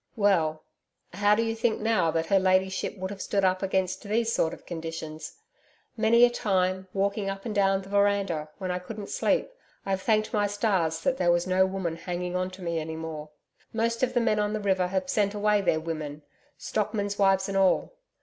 Well, how do you think now, that her ladyship would have stood up against these sort of conditions? Many a time, walking up and down the veranda when I couldn't sleep, I've thanked my stars that there was no woman hanging on to me any more. Most of the men on the river have sent away their women stockmen's wives and all.